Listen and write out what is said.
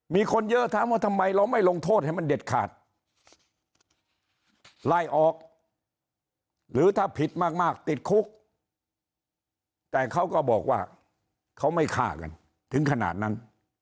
มีคนเยอะถามว่าทำไมเราไม่ลงโทษให้มันเด็ดขาดไล่ออกหรือถ้าผิดมากติดคุกแต่เขาก็บอกว่าเขาไม่ฆ่ากันถึงขนาดนั้น